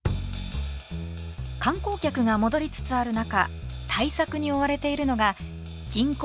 観光客が戻りつつある中対策に追われているのが人口